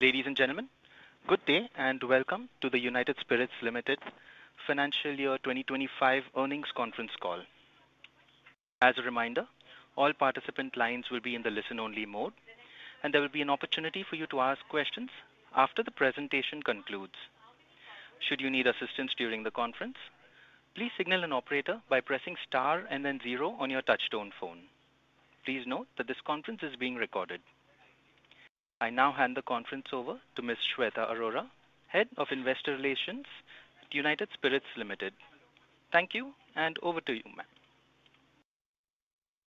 Ladies and gentlemen, good day and welcome to the United Spirits Ltd Financial Year 2025 earnings conference call. As a reminder, all participant lines will be in the listen-only mode, and there will be an opportunity for you to ask questions after the presentation concludes. Should you need assistance during the conference, please signal an operator by pressing star and then zero on your touchstone phone. Please note that this conference is being recorded. I now hand the conference over to Ms. Shweta Arora, Head of Investor Relations, United Spirits Ltd. Thank you, and over to you, ma'am.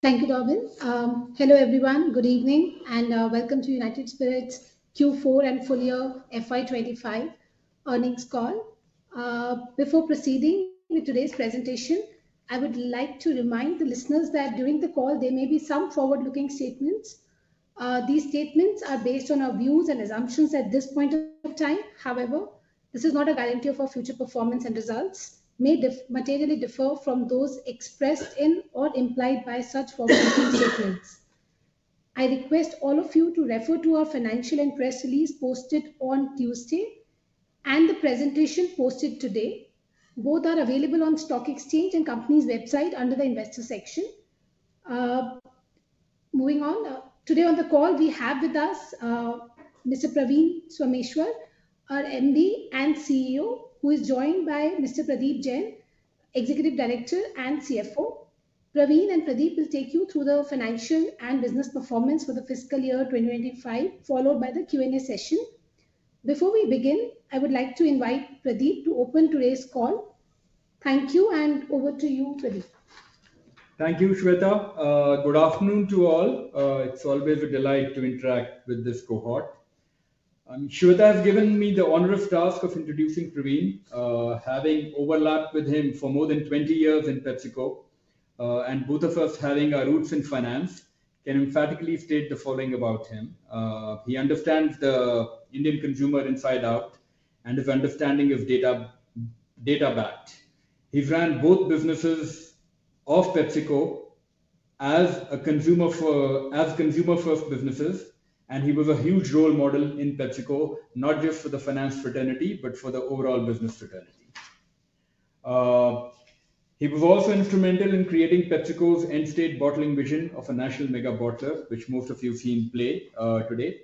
Thank you, Robin. Hello everyone, good evening, and welcome to United Spirits Q4 and full year FY2025 earnings call. Before proceeding with today's presentation, I would like to remind the listeners that during the call, there may be some forward-looking statements. These statements are based on our views and assumptions at this point of time. However, this is not a guarantee of our future performance and results may materially differ from those expressed in or implied by such forward-looking statements. I request all of you to refer to our financial and press release posted on Tuesday and the presentation posted today. Both are available on the stock exchange and company's website under the investor section. Moving on, today on the call, we have with us Mr. Praveen Swamy, our MD and CEO, who is joined by Mr. Pradeep Jain, Executive Director and CFO. Praveen and Pradeep will take you through the financial and business performance for the fiscal year 2025, followed by the Q&A session. Before we begin, I would like to invite Pradeep to open today's call. Thank you, and over to you, Pradeep. Thank you, Shweta. Good afternoon to all. It's always a delight to interact with this cohort. Shweta has given me the onerous task of introducing Praveen. Having overlapped with him for more than 20 years in PepsiCo, and both of us having our roots in finance, can emphatically state the following about him. He understands the Indian consumer inside out and his understanding is data-backed. He's ran both businesses of PepsiCo as a consumer-first business, and he was a huge role model in PepsiCo, not just for the finance fraternity, but for the overall business fraternity. He was also instrumental in creating PepsiCo's end-state bottling vision of a national mega-bottler, which most of you have seen play, today.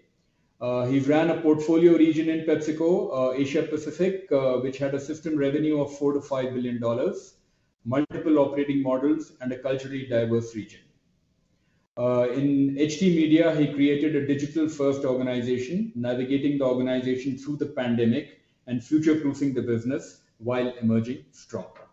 He ran a portfolio region in PepsiCo, Asia-Pacific, which had a system revenue of $4-$5 billion, multiple operating models, and a culturally diverse region. In HT Media, he created a digital-first organization, navigating the organization through the pandemic and future-proofing the business while emerging stronger.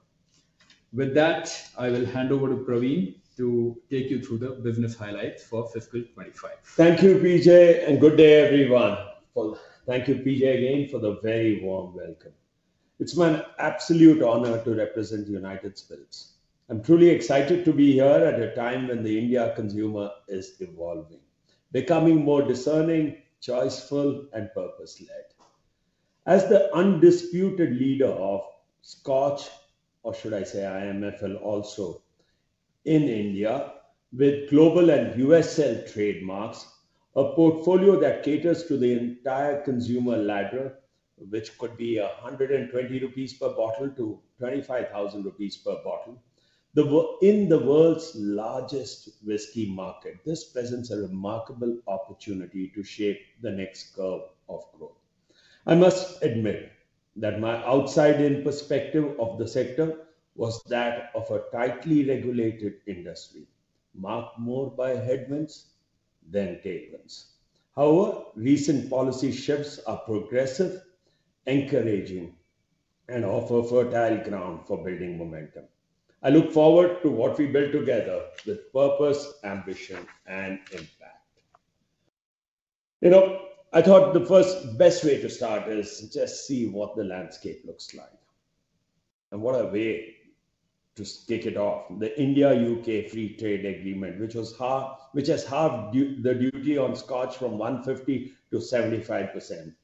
With that, I will hand over to Praveen to take you through the business highlights for fiscal 2025. Thank you, PJ, and good day, everyone. Thank you, PJ, again for the very warm welcome. It's my absolute honor to represent United Spirits. I'm truly excited to be here at a time when the India consumer is evolving, becoming more discerning, choiceful, and purpose-led. As the undisputed leader of Scotch, or should I say IMFL, also in India, with global and USL trademarks, a portfolio that caters to the entire consumer ladder, which could be 120 rupees per bottle to 25,000 rupees per bottle, in the world's largest whiskey market, this presents a remarkable opportunity to shape the next curve of growth. I must admit that my outside-in perspective of the sector was that of a tightly regulated industry, marked more by headwinds than tailwinds. However, recent policy shifts are progressive, encouraging, and offer fertile ground for building momentum. I look forward to what we build together with purpose, ambition, and impact. You know, I thought the first best way to start is just see what the landscape looks like and what a way to kick it off. The India-U.K. Free Trade Agreement, which has halved the duty on Scotch from 150% to 75%,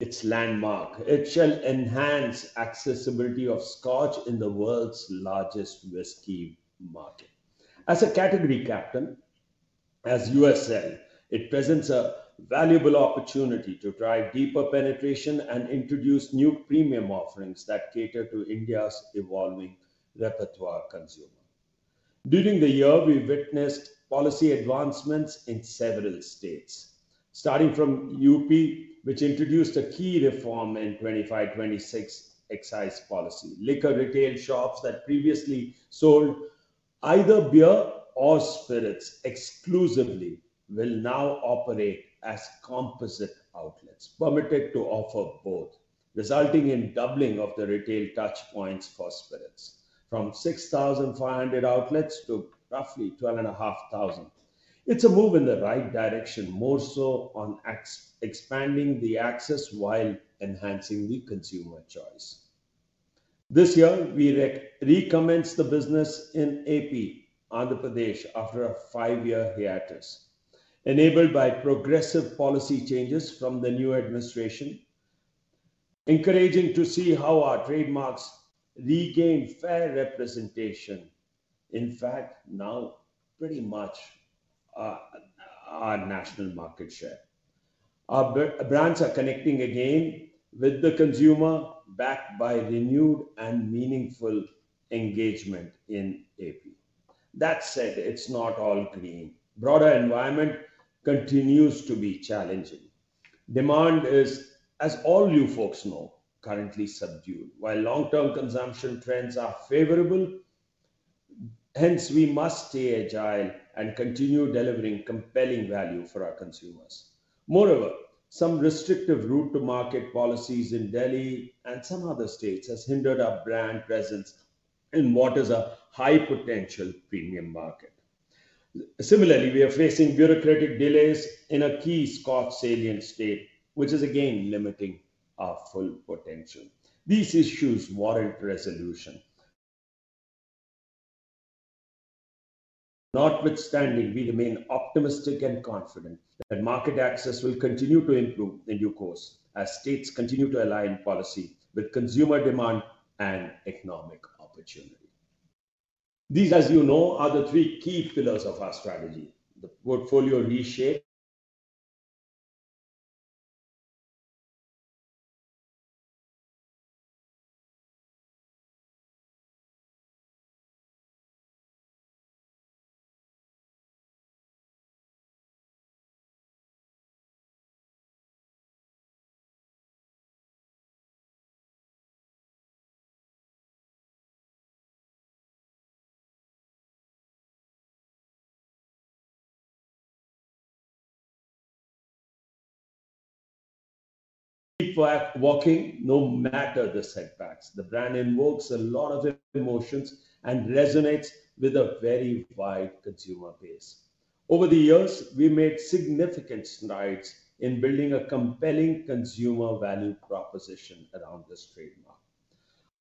it's landmark. It shall enhance accessibility of Scotch in the world's largest whiskey market. As a category captain, as USL, it presents a valuable opportunity to drive deeper penetration and introduce new premium offerings that cater to India's evolving repertoire consumer. During the year, we witnessed policy advancements in several states, starting from UP, which introduced a key reform in 2025-2026 excise policy. Liquor retail shops that previously sold either beer or spirits exclusively will now operate as composite outlets, permitted to offer both, resulting in doubling of the retail touchpoints for spirits, from 6,500 outlets to roughly 12,500. It's a move in the right direction, more so on expanding the access while enhancing the consumer choice. This year, we recommence the business in Andhra Pradesh after a five-year hiatus, enabled by progressive policy changes from the new administration, encouraging to see how our trademarks regain fair representation. In fact, now pretty much our national market share. Our brands are connecting again with the consumer, backed by renewed and meaningful engagement in Andhra Pradesh. That said, it's not all green. The broader environment continues to be challenging. Demand is, as all you folks know, currently subdued, while long-term consumption trends are favorable. Hence, we must stay agile and continue delivering compelling value for our consumers. Moreover, some restrictive route-to-market policies in Delhi and some other states have hindered our brand presence in what is a high-potential premium market. Similarly, we are facing bureaucratic delays in a key Scotch salient state, which is again limiting our full potential. These issues warrant resolution. Notwithstanding, we remain optimistic and confident that market access will continue to improve in due course as states continue to align policy with consumer demand and economic opportunity. These, as you know, are the three key pillars of our strategy: the portfolio reshape, keep walking no matter the setbacks. The brand invokes a lot of emotions and resonates with a very wide consumer base. Over the years, we made significant strides in building a compelling consumer value proposition around this trademark.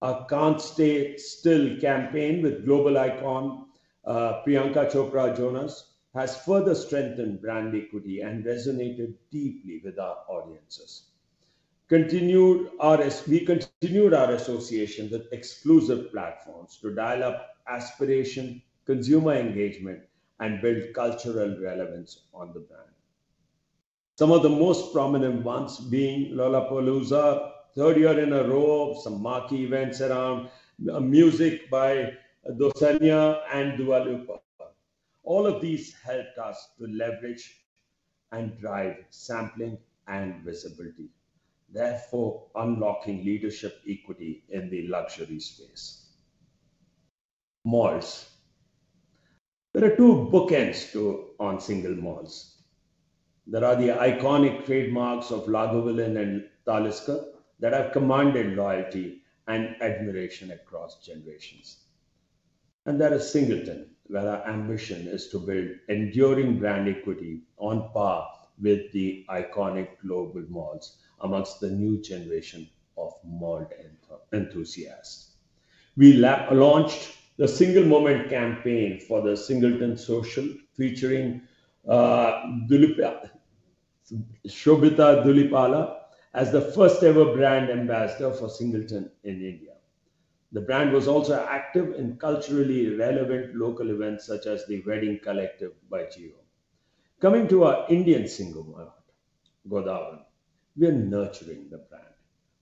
Our "Can't Stay Still" campaign with global icon Priyanka Chopra Jonas has further strengthened brand equity and resonated deeply with our audiences. Continued our association with exclusive platforms to dial up aspiration, consumer engagement, and build cultural relevance on the brand. Some of the most prominent ones being Lollapalooza, third year in a row, some marquee events around music by Dosanjh and Dua Lipa. All of these helped us to leverage and drive sampling and visibility, therefore unlocking leadership equity in the luxury space. Malls. There are two bookends to single malts. There are the iconic trademarks of Lagavulin and Talisker that have commanded loyalty and admiration across generations. There is Singleton, where our ambition is to build enduring brand equity on par with the iconic global malts amongst the new generation of malt enthusiasts. We launched the Single Moment campaign for the Singleton Social, featuring Shobhita Dhulipala as the first-ever brand ambassador for Singleton in India. The brand was also active in culturally relevant local events such as the Wedding Collective by Jio. Coming to our Indian single malt, Godawan, we are nurturing the brand.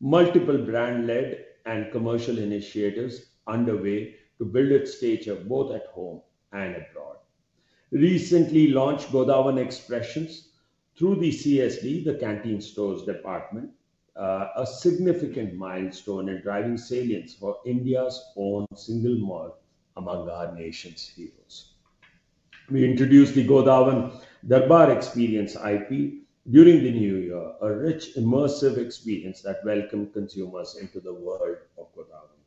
Multiple brand-led and commercial initiatives are underway to build its stage both at home and abroad. Recently launched Godawan Expressions through the CSD, the Canteen Stores Department, a significant milestone in driving salience for India's own single malt among our nation's heroes. We introduced the Godawan Durbar Experience IP during the New Year, a rich, immersive experience that welcomed consumers into the world of Godawan.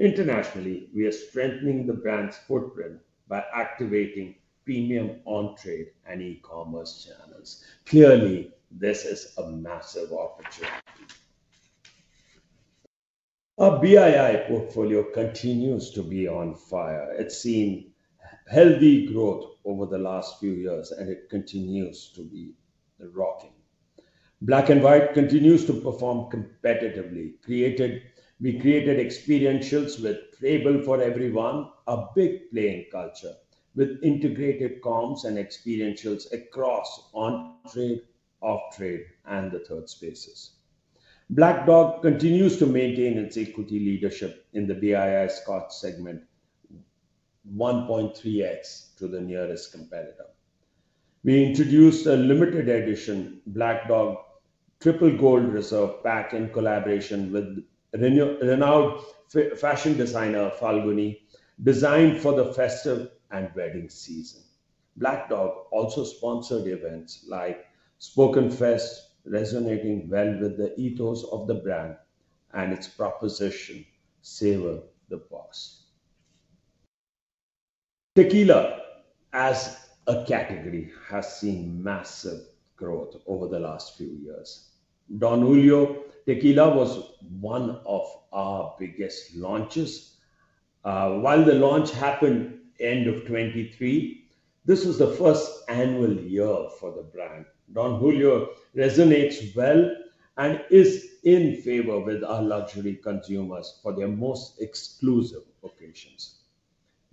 Internationally, we are strengthening the brand's footprint by activating premium on-trade and e-commerce channels. Clearly, this is a massive opportunity. Our BII portfolio continues to be on fire. It's seen healthy growth over the last few years, and it continues to be rocking. Black & White continues to perform competitively. We created experientials with playable for everyone, a big playing culture with integrated comms and experientials across on-trade, off-trade, and the third spaces. Black Dog continues to maintain its equity leadership in the BII Scotch segment, 1.3x to the nearest competitor. We introduced a limited-edition Black Dog Triple Gold Reserve pack in collaboration with Renault fashion designer Falguni Shane Peacock, designed for the festive and wedding season. Black Dog also sponsored events like Spoken Fest, resonating well with the ethos of the brand and its proposition, "Savor the Box." Tequila, as a category, has seen massive growth over the last few years. Don Julio Tequila was one of our biggest launches. While the launch happened at the end of 2023, this was the first annual year for the brand. Don Julio resonates well and is in favor with our luxury consumers for their most exclusive occasions.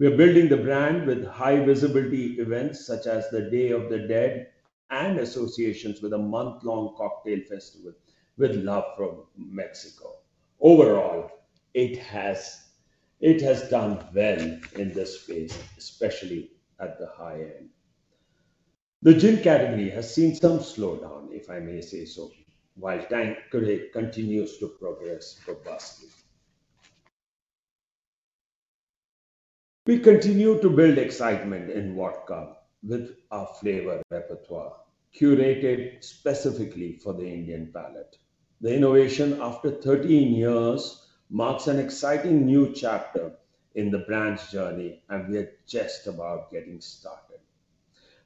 We are building the brand with high-visibility events such as the Day of the Dead and associations with a month-long cocktail festival with love from Mexico. Overall, it has done well in this space, especially at the high end. The gin category has seen some slowdown, if I may say so, while Kure continues to progress robustly. We continue to build excitement in vodka with our flavor repertoire, curated specifically for the Indian palate. The innovation, after 13 years, marks an exciting new chapter in the brand's journey, and we are just about getting started.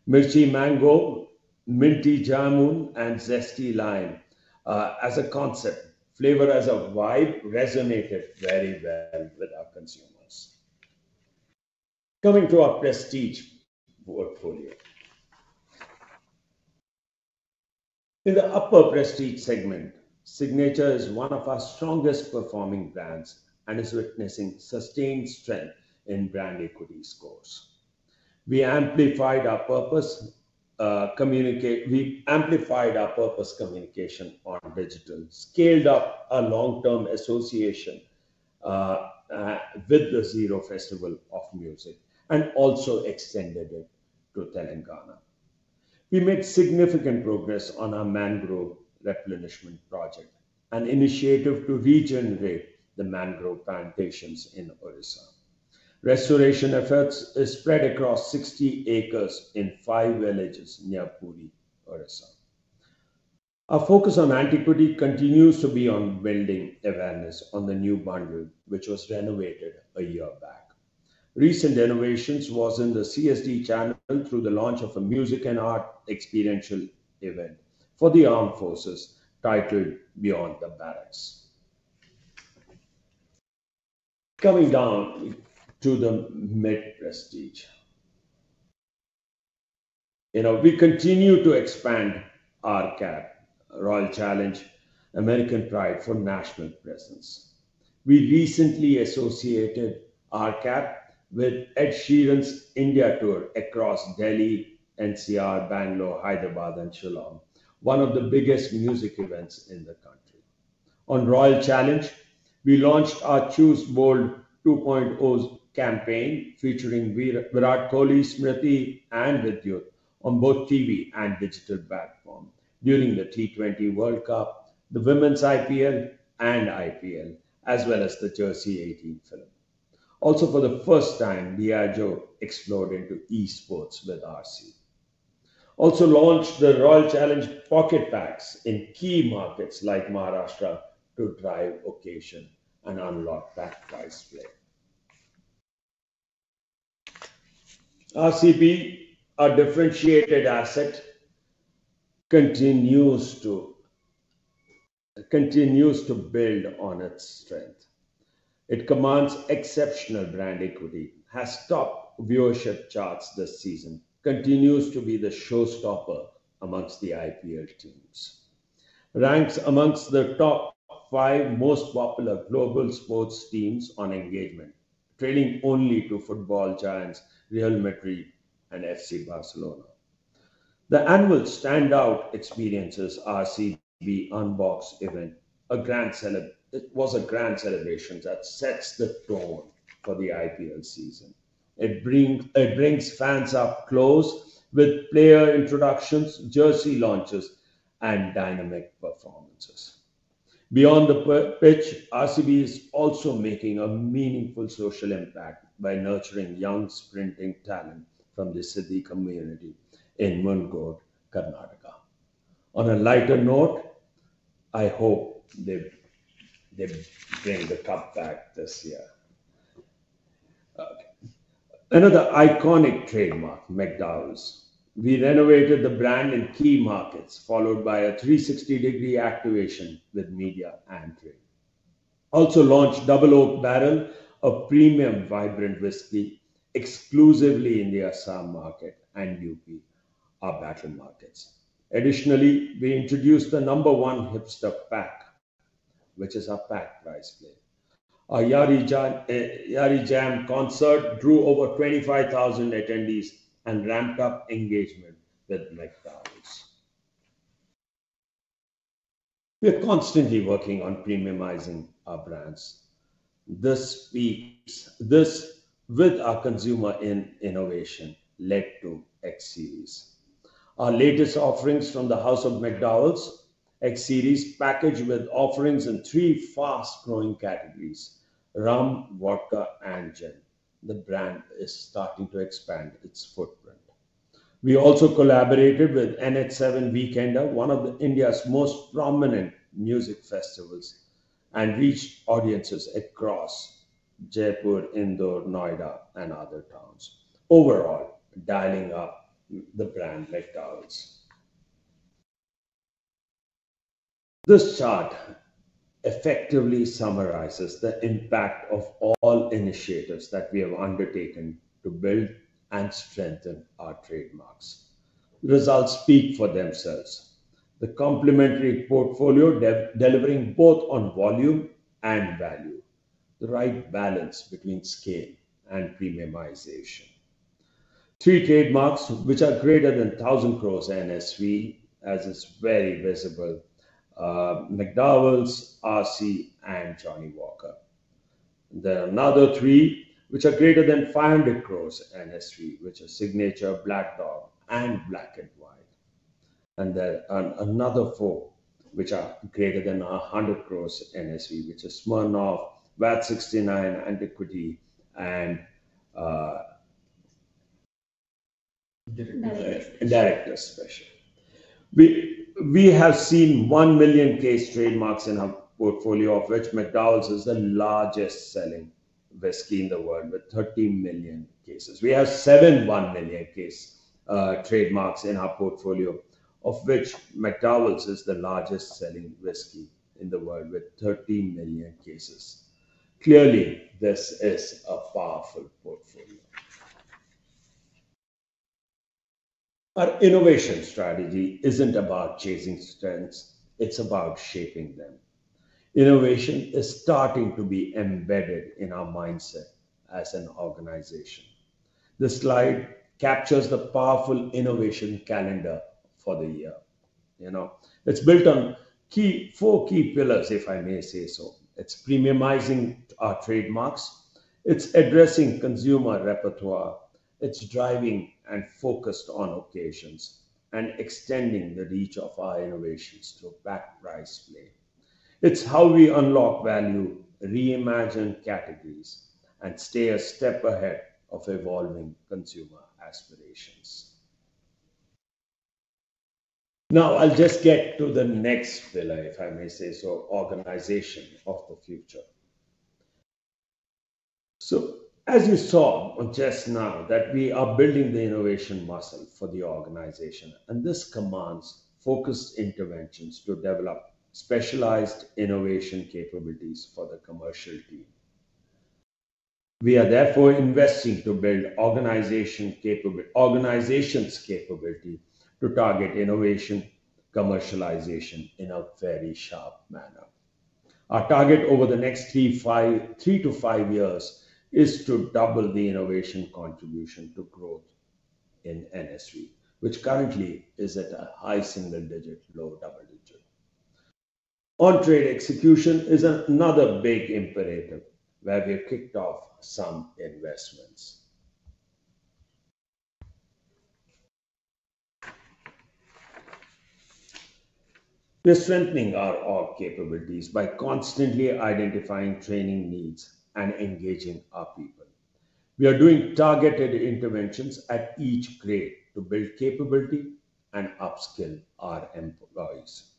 Mirchi Mango, Minty Jamun, and Zesty Lime, as a concept, flavor as a vibe, resonated very well with our consumers. Coming to our Prestige portfolio. In the upper Prestige segment, Signature is one of our strongest performing brands and is witnessing sustained strength in brand equity scores. We amplified our purpose communication on digital, scaled up our long-term association with the Zero Festival of Music, and also extended it to Telangana. We made significant progress on our mangrove replenishment project, an initiative to regenerate the mangrove plantations in Odisha. Restoration efforts spread across 60 acres in five villages near Puri, Odisha. Our focus on Antiquity continues to be on building awareness on the new bundle, which was renovated a year back. Recent renovations were in the CSD channel through the launch of a music and art experiential event for the armed forces titled "Beyond the Barracks." Coming down to the mid Prestige, you know, we continue to expand RCAP, Royal Challenge American Pride, for national presence. We recently associated RCAP with Ed Sheeran's India tour across Delhi, NCR, Bangalore, Hyderabad, and Chulan, one of the biggest music events in the country. On Royal Challenge, we launched our Choose Bold 2.0 campaign featuring Virat Kohli, Smriti, and Vidyut on both TV and digital platform during the T20 World Cup, the Women's IPL, and IPL, as well as the Jersey 18 final. Also, for the first time, Diageo explored into esports with RC. Also launched the Royal Challenge Pocket Packs in key markets like Maharashtra to drive occasion and unlock that price play. RCB, our differentiated asset, continues to build on its strength. It commands exceptional brand equity, has top viewership charts this season, and continues to be the showstopper amongst the IPL teams. Ranks amongst the top five most popular global sports teams on engagement, trailing only to football giants Real Madrid and FC Barcelona. The annual standout experience is RCB Unbox event, a grand celebration that sets the tone for the IPL season. It brings fans up close with player introductions, jersey launches, and dynamic performances. Beyond the pitch, RCB is also making a meaningful social impact by nurturing young sprinting talent from the Siddi community in Mundgod, Karnataka. On a lighter note, I hope they bring the cup back this year. Another iconic trademark, McDowell's. We renovated the brand in key markets, followed by a 360-degree activation with media and trade. Also launched Double Oak Barrel, a premium vibrant whiskey exclusively in the Assam market and Uttar Pradesh, our battle markets. Additionally, we introduced the number one hipster pack, which is our pack price play. Our Yari Jam concert drew over 25,000 attendees and ramped up engagement with McDowell's. We are constantly working on premiumizing our brands. This week, this with our consumer in innovation led to X Series. Our latest offerings from the House of McDowell's, X Series package with offerings in three fast-growing categories: rum, vodka, and gin. The brand is starting to expand its footprint. We also collaborated with NH7 Weekender, one of India's most prominent music festivals, and reached audiences across Jaipur, Indore, Noida, and other towns. Overall, dialing up the brand McDowell's. This chart effectively summarizes the impact of all initiatives that we have undertaken to build and strengthen our trademarks. The results speak for themselves. The complementary portfolio delivering both on volume and value, the right balance between scale and premiumization. Three trademarks which are greater than 1,000 crore NSV, as is very visible, McDowell's, RC, and Johnnie Walker. There are another three which are greater than 500 crore NSV, which are Signature, Black Dog, and Black & White. There are another four which are greater than 100 crore NSV, which are Smirnoff, VAT 69, Antiquity, and Director's Special. We have seen 1 million case trademarks in our portfolio, of which McDowell's, which is the largest selling whiskey in the world with 30 million cases. We have seven 1 million case trademarks in our portfolio, of which McDowell's, which is the largest selling whiskey in the world with 30 million cases. Clearly, this is a powerful portfolio. Our innovation strategy is not about chasing strengths; it is about shaping them. Innovation is starting to be embedded in our mindset as an organization. This slide captures the powerful innovation calendar for the year. You know, it is built on four key pillars, if I may say so. It is premiumizing our trademarks. It is addressing consumer repertoire. It's driving and focused on occasions and extending the reach of our innovations through back price play. It's how we unlock value, reimagine categories, and stay a step ahead of evolving consumer aspirations. Now, I'll just get to the next pillar, if I may say so, organization of the future. As you saw just now, we are building the innovation muscle for the organization, and this commands focused interventions to develop specialized innovation capabilities for the commercial team. We are therefore investing to build organization's capability to target innovation commercialization in a very sharp manner. Our target over the next three to five years is to double the innovation contribution to growth in NSV, which currently is at a high single digit, low double digit. On-trade execution is another big imperative where we have kicked off some investments. We are strengthening our org capabilities by constantly identifying training needs and engaging our people. We are doing targeted interventions at each grade to build capability and upskill our employees.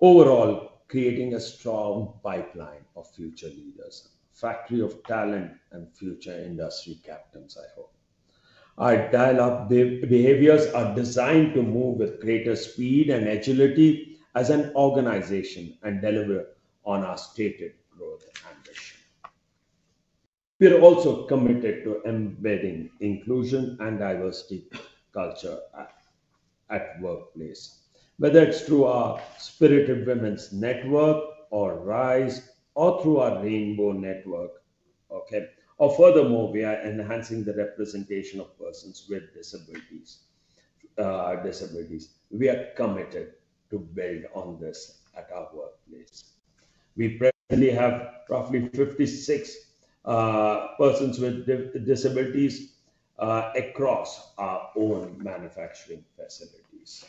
Overall, creating a strong pipeline of future leaders, a factory of talent and future industry captains, I hope. Our dial-up behaviors are designed to move with greater speed and agility as an organization and deliver on our stated growth ambition. We are also committed to embedding inclusion and diversity culture at workplace, whether it's through our Spirited Women's Network or RISE, or through our Rainbow Network. Furthermore, we are enhancing the representation of persons with disabilities. We are committed to build on this at our workplace. We presently have roughly 56 persons with disabilities across our own manufacturing facilities.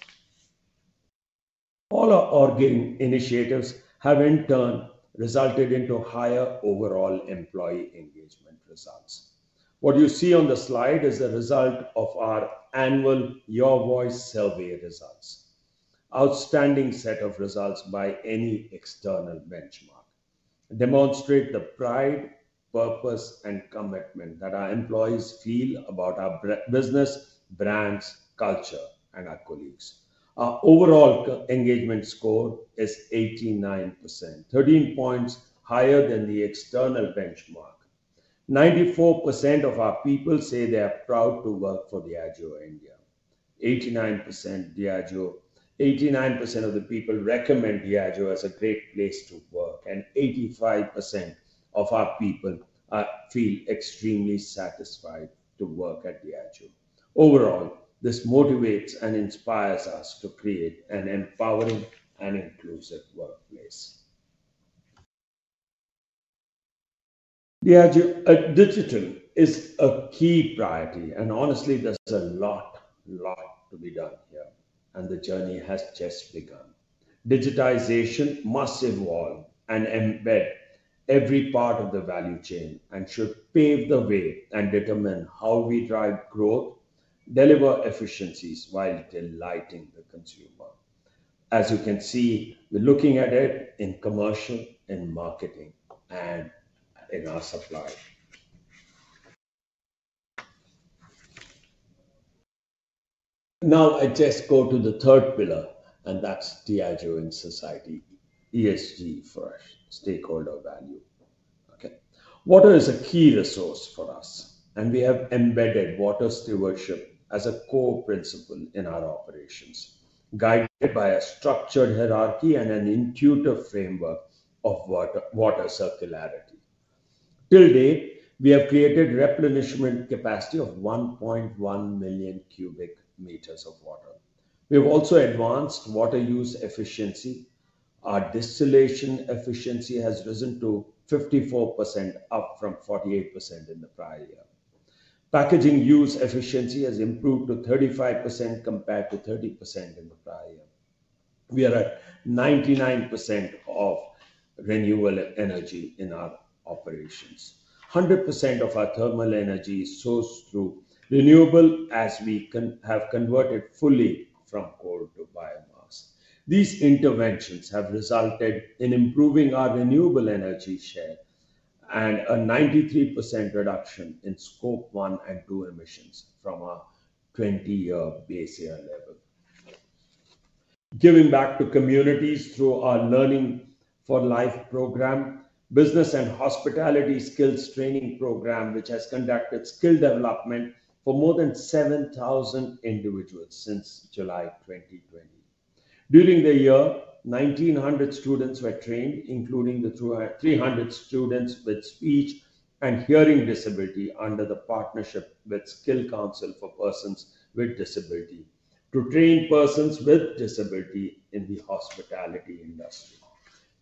All our org initiatives have in turn resulted in higher overall employee engagement results. What you see on the slide is the result of our annual Your Voice Survey results. Outstanding set of results by any external benchmark demonstrate the pride, purpose, and commitment that our employees feel about our business, brands, culture, and our colleagues. Our overall engagement score is 89%, 13 points higher than the external benchmark. 94% of our people say they are proud to work for Diageo India. 89% of the people recommend Diageo as a great place to work, and 85% of our people feel extremely satisfied to work at Diageo. Overall, this motivates and inspires us to create an empowering and inclusive workplace. Diageo digital is a key priority, and honestly, there is a lot, a lot to be done here, and the journey has just begun. Digitization must evolve and embed every part of the value chain and should pave the way and determine how we drive growth, deliver efficiencies while delighting the consumer. As you can see, we're looking at it in commercial, in marketing, and in our supply. Now, I just go to the third pillar, and that's Diageo in society, ESG for us, stakeholder value. Okay, water is a key resource for us, and we have embedded water stewardship as a core principle in our operations, guided by a structured hierarchy and an intuitive framework of water circularity. Till date, we have created replenishment capacity of 1.1 million cubic meters of water. We have also advanced water use efficiency. Our distillation efficiency has risen to 54%, up from 48% in the prior year. Packaging use efficiency has improved to 35% compared to 30% in the prior year. We are at 99% of renewable energy in our operations. 100% of our thermal energy is sourced through renewable, as we have converted fully from coal to biomass. These interventions have resulted in improving our renewable energy share and a 93% reduction in Scope 1 and 2 emissions from our 20-year base year level. Giving back to communities through our Learning for Life program, business and hospitality skills training program, which has conducted skill development for more than 7,000 individuals since July 2020. During the year, 1,900 students were trained, including the 300 students with speech and hearing disability under the partnership with Skill Council for Persons with Disability to train persons with disability in the hospitality industry.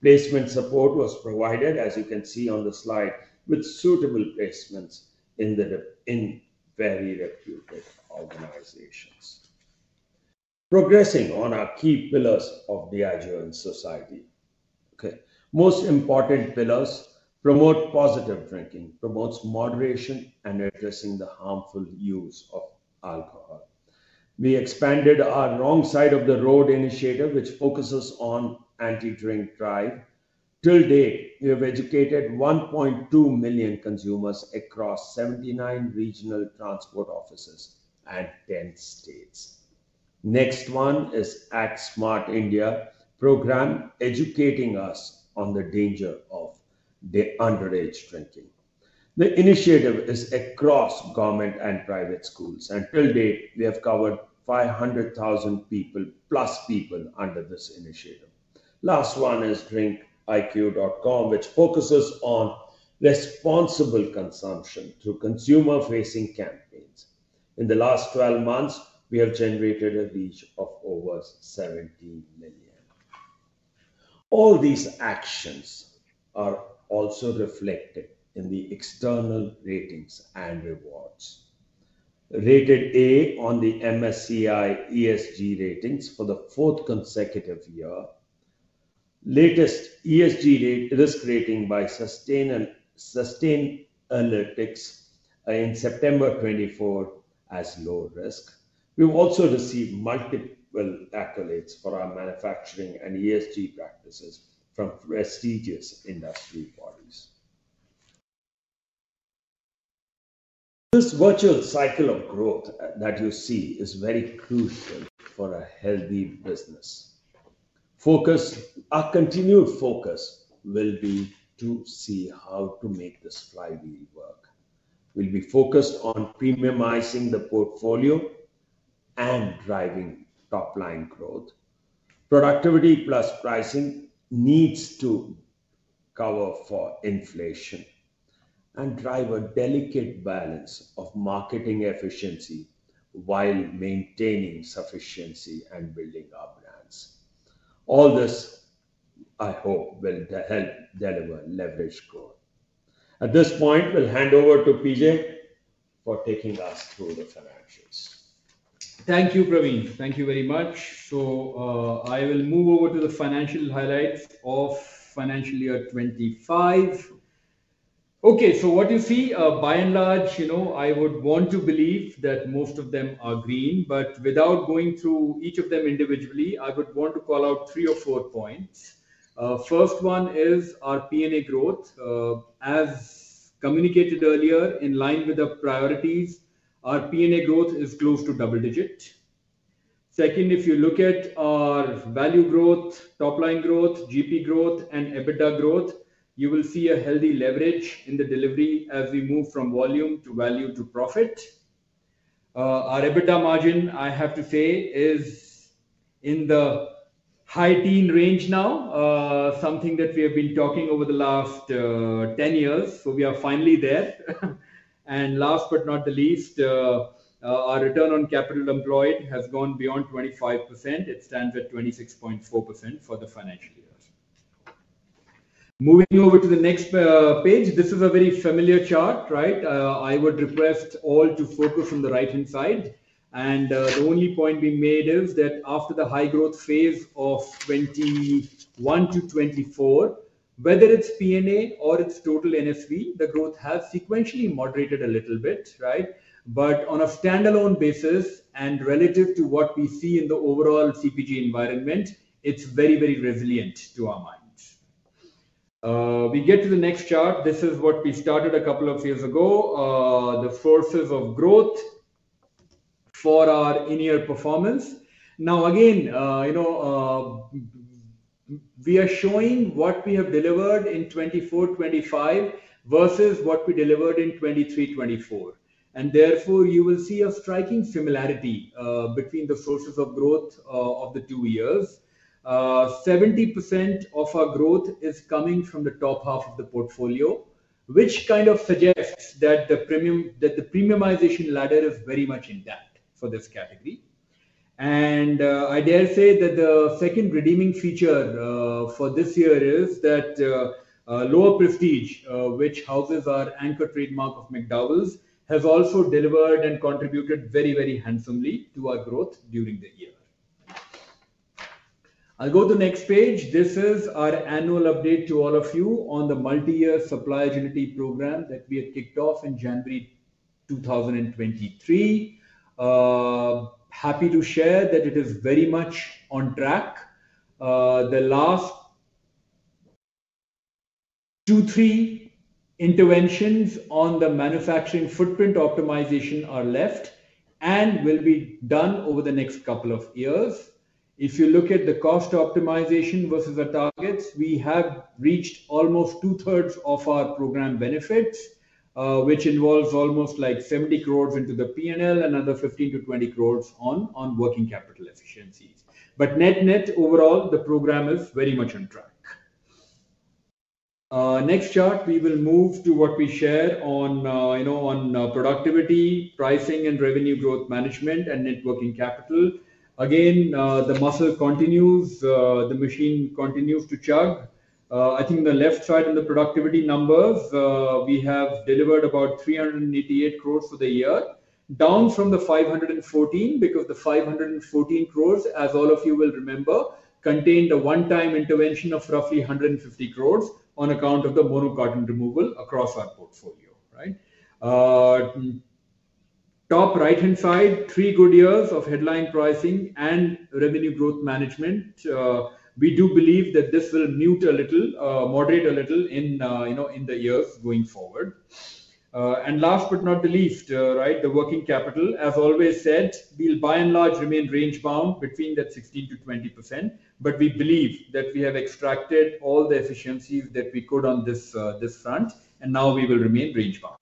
Placement support was provided, as you can see on the slide, with suitable placements in the very reputed organizations. Progressing on our key pillars of Diageo in society. Okay, most important pillars promote positive drinking, promotes moderation, and addressing the harmful use of alcohol. We expanded our Wrong Side of the Road initiative, which focuses on anti-drink drive. Till date, we have educated 1.2 million consumers across 79 regional transport offices and 10 states. Next one is Act Smart India program, educating us on the danger of the underage drinking. The initiative is across government and private schools, and till date, we have covered 500,000 plus people under this initiative. Last one is drinkiq.com, which focuses on responsible consumption through consumer-facing campaigns. In the last 12 months, we have generated a reach of over 17 million. All these actions are also reflected in the external ratings and rewards. Rated A on the MSCI ESG ratings for the fourth consecutive year. Latest ESG risk rating by Sustainalytics in September 2024 as low risk. We've also received multiple accolades for our manufacturing and ESG practices from prestigious industry bodies. This virtual cycle of growth that you see is very crucial for a healthy business. Focus, our continued focus will be to see how to make this flywheel work. We'll be focused on premiumizing the portfolio and driving top-line growth. Productivity plus pricing needs to cover for inflation and drive a delicate balance of marketing efficiency while maintaining sufficiency and building our brands. All this, I hope, will help deliver leverage growth. At this point, we'll hand over to PJ for taking us through the financials. Thank you, Praveen. Thank you very much. I will move over to the financial highlights of financial year 2025. Okay, so what you see, by and large, you know, I would want to believe that most of them are green, but without going through each of them individually, I would want to call out three or four points. The first one is our P&A growth. As communicated earlier, in line with the priorities, our P&A growth is close to double digit. Second, if you look at our value growth, top-line growth, GP growth, and EBITDA growth, you will see a healthy leverage in the delivery as we move from volume to value to profit. Our EBITDA margin, I have to say, is in the high teen range now, something that we have been talking about over the last 10 years. We are finally there. Last but not the least, our return on capital employed has gone beyond 25%. It stands at 26.4% for the financial year. Moving over to the next page, this is a very familiar chart, right? I would request all to focus on the right-hand side. The only point we made is that after the high growth phase of 2021 to 2024, whether it's P&A or it's total NSV, the growth has sequentially moderated a little bit, right? On a standalone basis and relative to what we see in the overall CPG environment, it's very, very resilient to our mind. We get to the next chart. This is what we started a couple of years ago, the sources of growth for our in-year performance. Now, again, you know, we are showing what we have delivered in 2024-2025 versus what we delivered in 2023-2024. Therefore, you will see a striking similarity between the sources of growth of the two years. 70% of our growth is coming from the top half of the portfolio, which kind of suggests that the premium, that the premiumization ladder is very much intact for this category. I dare say that the second redeeming feature for this year is that Lower Prestige, which houses our anchor trademark of McDowell's, has also delivered and contributed very, very handsomely to our growth during the year. I'll go to the next page. This is our annual update to all of you on the multi-year supply agility program that we had kicked off in January 2023. Happy to share that it is very much on track. The last two, three interventions on the manufacturing footprint optimization are left and will be done over the next couple of years. If you look at the cost optimization versus our targets, we have reached almost two-thirds of our program benefits, which involves almost like 700 million into the P&L and another 150-200 million on working capital efficiencies. Net-net overall, the program is very much on track. Next chart, we will move to what we share on, you know, on productivity, pricing, and revenue growth management and networking capital. Again, the muscle continues, the machine continues to chug. I think the left side in the productivity numbers, we have delivered about 3,880 million for the year, down from the 5,140 million because the 5,140 million, as all of you will remember, contained a one-time intervention of roughly 1,500 million on account of the monocarton removal across our portfolio, right? Top right-hand side, three good years of headline pricing and revenue growth management. We do believe that this will mute a little, moderate a little in, you know, in the years going forward. And last but not the least, right, the working capital, as always said, will by and large remain range bound between that 16-20%, but we believe that we have extracted all the efficiencies that we could on this front, and now we will remain range bound,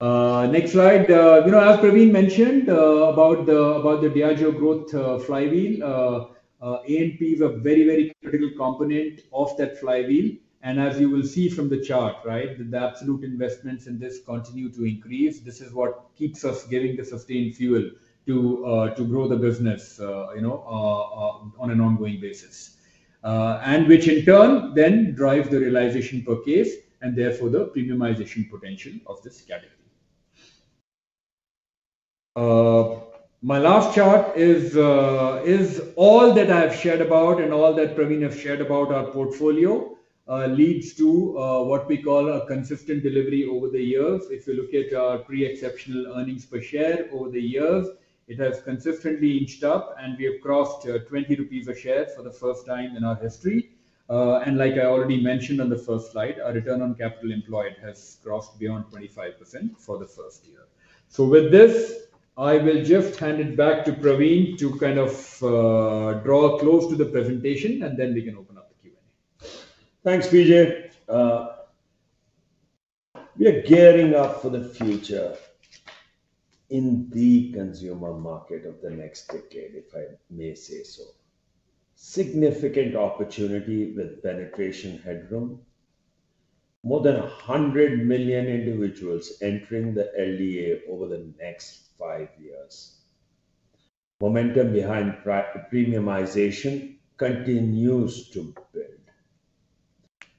right? Next slide, you know, as Praveen mentioned, about the, about the Diageo growth flywheel, A&P is a very, very critical component of that flywheel. And as you will see from the chart, right, that the absolute investments in this continue to increase, this is what keeps us giving the sustained fuel to, to grow the business, you know, on an ongoing basis, and which in turn then drives the realization per case and therefore the premiumization potential of this category. My last chart is, is all that I have shared about and all that Praveen has shared about our portfolio, leads to what we call a consistent delivery over the years. If you look at our pre-exceptional earnings per share over the years, it has consistently inched up, and we have crossed 20 rupees a share for the first time in our history. Like I already mentioned on the first slide, our return on capital employed has crossed beyond 25% for the first year. With this, I will just hand it back to Praveen to kind of draw close to the presentation, and then we can open up the Q&A. Thanks, PJ. We are gearing up for the future in the consumer market of the next decade, if I may say so. Significant opportunity with penetration headroom, more than 100 million individuals entering the LDA over the next five years. Momentum behind premiumization continues to build.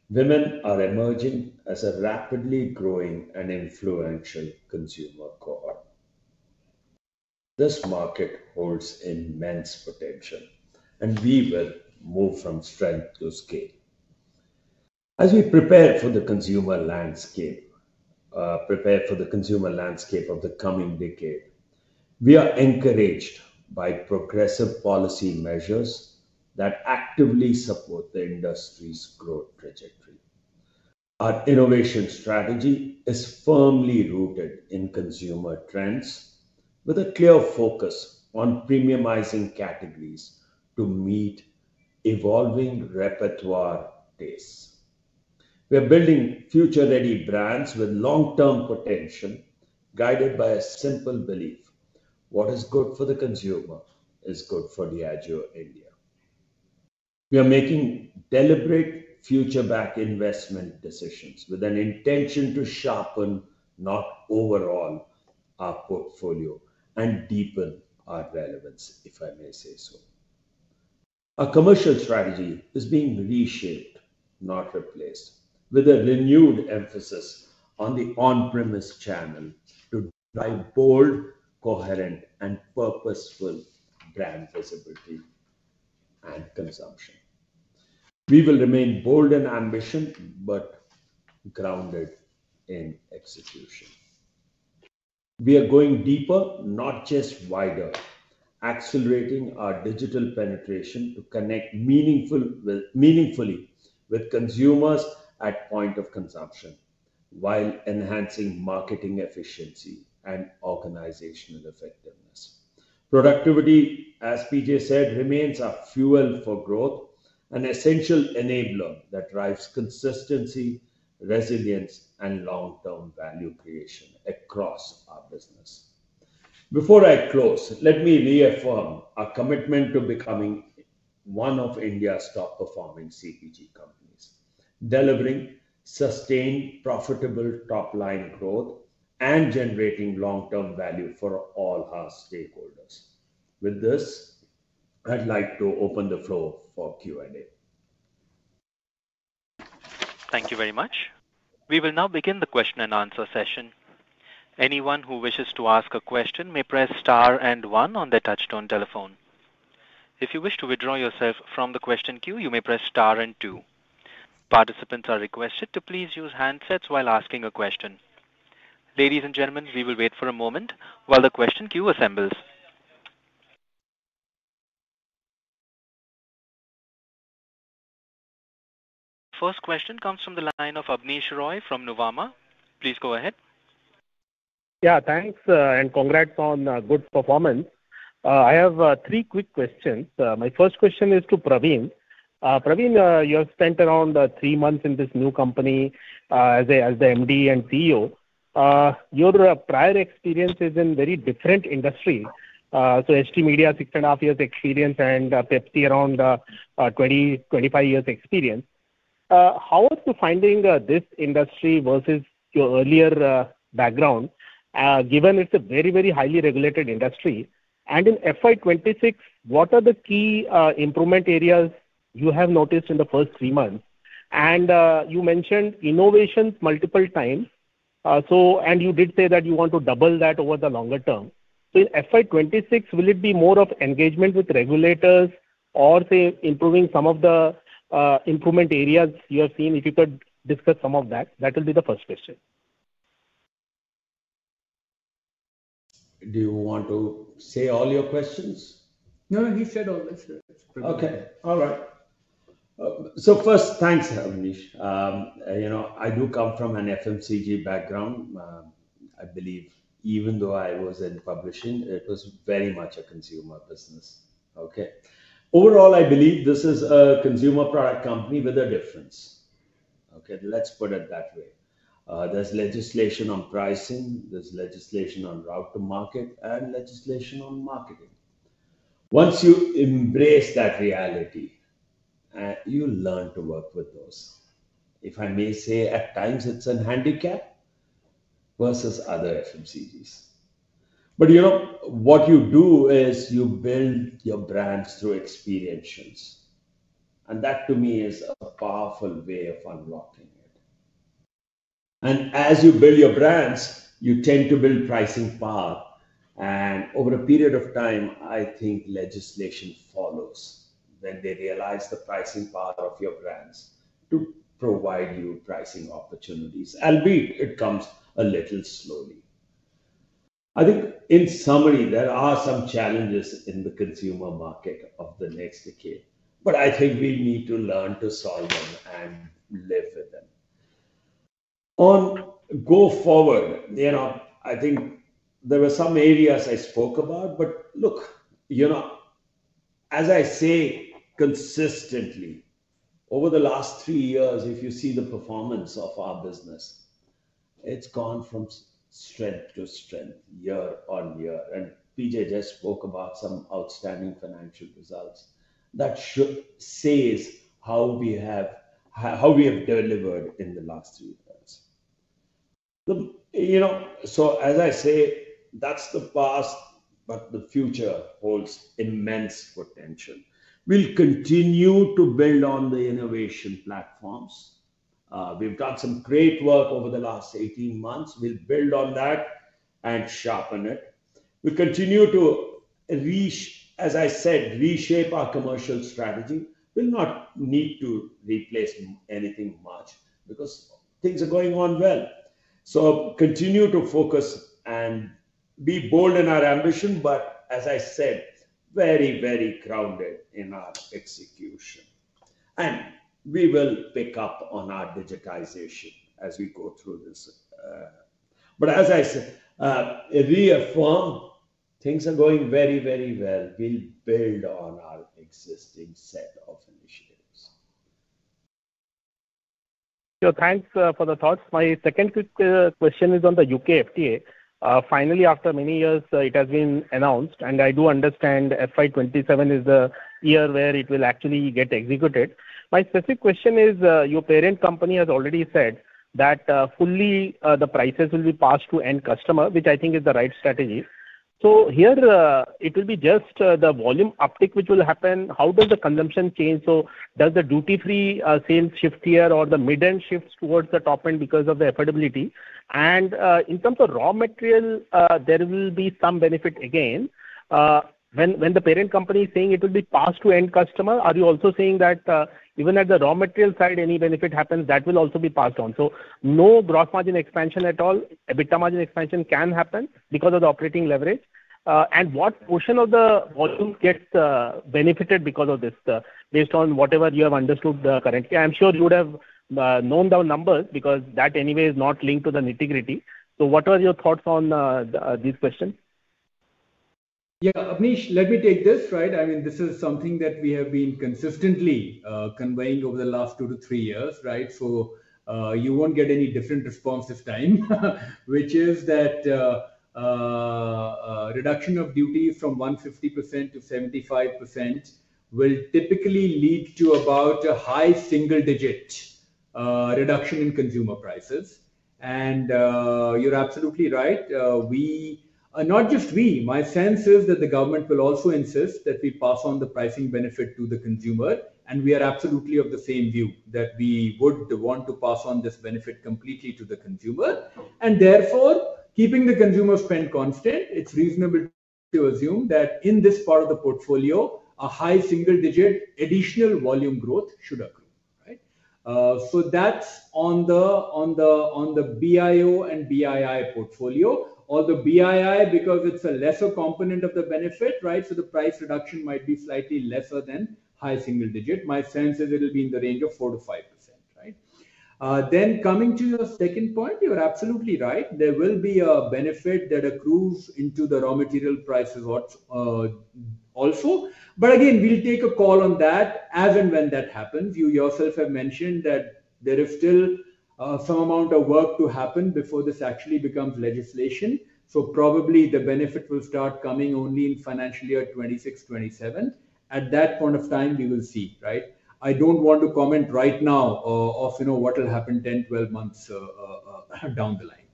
Women are emerging as a rapidly growing and influential consumer core. This market holds immense potential, and we will move from strength to scale. As we prepare for the consumer landscape of the coming decade, we are encouraged by progressive policy measures that actively support the industry's growth trajectory. Our innovation strategy is firmly rooted in consumer trends with a clear focus on premiumizing categories to meet evolving repertoire tastes. We are building future-ready brands with long-term potential guided by a simple belief: what is good for the consumer is good for Diageo India. We are making deliberate future-backed investment decisions with an intention to sharpen, not overhaul, our portfolio and deepen our relevance, if I may say so. Our commercial strategy is being reshaped, not replaced, with a renewed emphasis on the on-premise channel to drive bold, coherent, and purposeful brand visibility and consumption. We will remain bold in ambition, but grounded in execution. We are going deeper, not just wider, accelerating our digital penetration to connect meaningfully with consumers at point of consumption while enhancing marketing efficiency and organizational effectiveness. Productivity, as PJ said, remains our fuel for growth, an essential enabler that drives consistency, resilience, and long-term value creation across our business. Before I close, let me reaffirm our commitment to becoming one of India's top-performing CPG companies, delivering sustained, profitable top-line growth and generating long-term value for all our stakeholders. With this, I'd like to open the floor for Q&A. Thank you very much. We will now begin the question and answer session. Anyone who wishes to ask a question may press star and one on their touchstone telephone. If you wish to withdraw yourself from the question queue, you may press star and two. Participants are requested to please use handsets while asking a question. Ladies and gentlemen, we will wait for a moment while the question queue assembles. First question comes from the line of Abneesh Roy from Nuvama. Please go ahead. Yeah, thanks, and congrats on good performance. I have three quick questions. My first question is to Praveen. Praveen, you have spent around three months in this new company as the MD and CEO. Your prior experience is in very different industries. So HT Media, six and a half years experience, and Pepsi around 20-25 years experience. How is the finding, this industry versus your earlier background? Given it's a very, very highly regulated industry, and in FY2026, what are the key improvement areas you have noticed in the first three months? You mentioned innovations multiple times, so, and you did say that you want to double that over the longer term. In FY2026, will it be more of engagement with regulators or, say, improving some of the improvement areas you have seen? If you could discuss some of that, that will be the first question. Do you want to say all your questions? No, he said all this. Okay. All right. So first, thanks, Abnesh. You know, I do come from an FMCG background. I believe even though I was in publishing, it was very much a consumer business. Okay. Overall, I believe this is a consumer product company with a difference. Okay, let's put it that way. There's legislation on pricing, there's legislation on route to market, and legislation on marketing. Once you embrace that reality, you learn to work with those. If I may say, at times, it's a handicap versus other FMCGs. But you know, what you do is you build your brands through experientials. And that, to me, is a powerful way of unlocking it. And as you build your brands, you tend to build pricing power. Over a period of time, I think legislation follows when they realize the pricing power of your brands to provide you pricing opportunities, albeit it comes a little slowly. I think in summary, there are some challenges in the consumer market of the next decade, but I think we need to learn to solve them and live with them. On go forward, you know, I think there were some areas I spoke about, but look, you know, as I say consistently over the last three years, if you see the performance of our business, it's gone from strength to strength year on year. And PJ just spoke about some outstanding financial results that should say how we have, how we have delivered in the last three months. You know, as I say, that's the past, but the future holds immense potential. We'll continue to build on the innovation platforms. We've done some great work over the last 18 months. We'll build on that and sharpen it. We'll continue to reach, as I said, reshape our commercial strategy. We'll not need to replace anything much because things are going on well. Continue to focus and be bold in our ambition, but as I said, very, very grounded in our execution. We will pick up on our digitization as we go through this. As I said, reaffirm, things are going very, very well. We will build on our existing set of initiatives. Thanks for the thoughts. My second quick question is on the U.K. FTA. Finally, after many years, it has been announced, and I do understand FY2027 is the year where it will actually get executed. My specific question is, your parent company has already said that, fully, the prices will be passed to end customer, which I think is the right strategy. Here, it will be just the volume uptick which will happen. How does the consumption change? Does the duty-free sales shift here or the mid-end shifts towards the top end because of the affordability? In terms of raw material, there will be some benefit again. When the parent company is saying it will be passed to end customer, are you also saying that even at the raw material side, any benefit happens, that will also be passed on? No gross margin expansion at all. A bit of margin expansion can happen because of the operating leverage. What portion of the volume gets benefited because of this, based on whatever you have understood currently? I'm sure you would have known the numbers because that anyway is not linked to the nitty-gritty. What are your thoughts on these questions? Yeah, Abnesh, let me take this, right? I mean, this is something that we have been consistently conveying over the last two to three years, right? You won't get any different response this time, which is that reduction of duties from 150% to 75% will typically lead to about a high single-digit reduction in consumer prices. You're absolutely right. We, not just we, my sense is that the government will also insist that we pass on the pricing benefit to the consumer. We are absolutely of the same view that we would want to pass on this benefit completely to the consumer. Therefore, keeping the consumer spend constant, it's reasonable to assume that in this part of the portfolio, a high single-digit additional volume growth should occur, right? That's on the BIO and BII portfolio. On the BII, because it's a lesser component of the benefit, right? The price reduction might be slightly lesser than high single-digit. My sense is it'll be in the range of 4-5%, right? Coming to your second point, you're absolutely right. There will be a benefit that accrues into the raw material prices also. Again, we'll take a call on that as and when that happens. You yourself have mentioned that there is still some amount of work to happen before this actually becomes legislation. Probably the benefit will start coming only in financial year 2026-2027. At that point of time, we will see, right? I don't want to comment right now, of, you know, what will happen 10, 12 months down the line.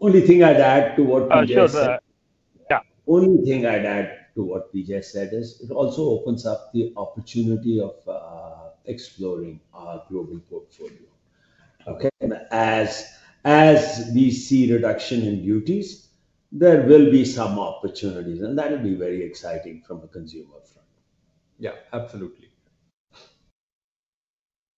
Only thing I'd add to what PJ said. Yeah. Only thing I'd add to what PJ said is it also opens up the opportunity of exploring our global portfolio. Okay. As we see reduction in duties, there will be some opportunities, and that will be very exciting from a consumer front. Yeah, absolutely.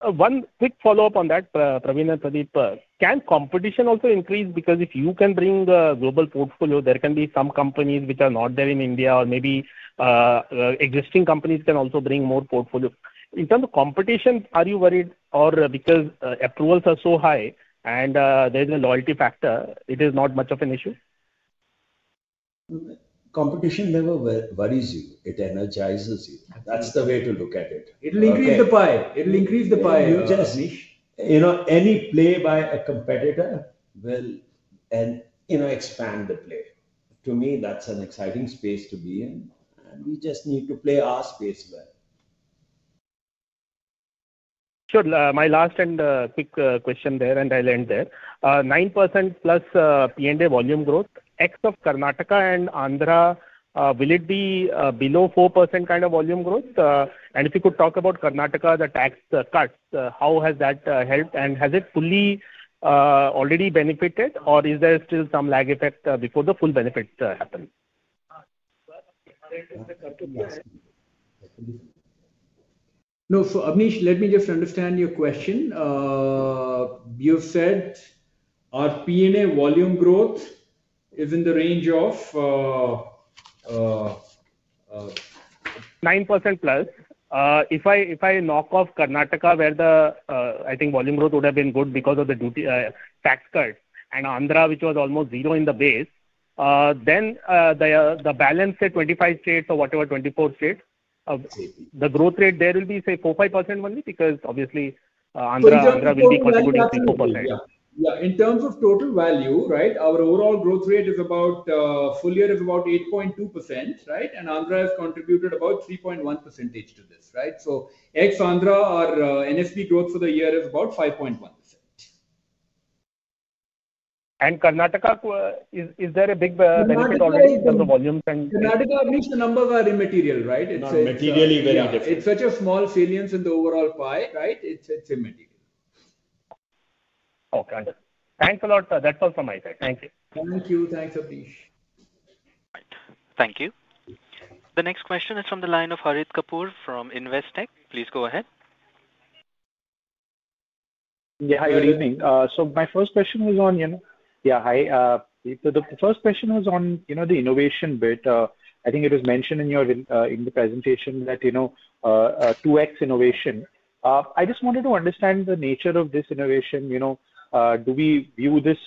One quick follow-up on that, Praveen and Pradeep, can competition also increase? Because if you can bring a global portfolio, there can be some companies which are not there in India, or maybe existing companies can also bring more portfolio. In terms of competition, are you worried, or because approvals are so high and there's a loyalty factor, it is not much of an issue? Competition never worries you. It energizes you. That's the way to look at it. It'll increase the pie. It'll increase the pie. You just, you know, any play by a competitor will, you know, expand the play. To me, that's an exciting space to be in, and we just need to play our space well. Sure. My last and quick question there, and I'll end there. 9% plus P&A volume growth, X of Karnataka and Andhra, will it be below 4% kind of volume growth? If you could talk about Karnataka, the tax cuts, how has that helped? Has it fully, already benefited, or is there still some lag effect before the full benefit happens? No, so Abnesh, let me just understand your question. You've said our P&A volume growth is in the range of 9% plus. If I knock off Karnataka, where the, I think volume growth would have been good because of the duty, tax cut, and Andhra, which was almost zero in the base, then the balance, say, 25 states or whatever, 24 states, the growth rate there will be, say, 4-5% only because obviously, Andhra will be contributing 3-4%. Yeah, in terms of total value, right, our overall growth rate is about, full year is about 8.2%, right? And Andhra has contributed about 3.1% to this, right? So X Andhra, our NSV growth for the year is about 5.1%. And Karnataka, is there a big benefit already in terms of volume? Karnataka, Abnesh, the numbers are immaterial, right? It's materially very different. It's such a small salience in the overall pie, right? It's immaterial. Okay. Thanks a lot. That's all from my side. Thank you. Thank you. Thanks, Abneesh. Thank you. The next question is from the line of Harit Kapoor from Investec. Please go ahead. Yeah, hi, good evening. so my first question was on, you know, yeah, hi. the first question was on, you know, the innovation bit. I think it was mentioned in your, in the presentation that, you know, 2X innovation. I just wanted to understand the nature of this innovation. You know, do we view this,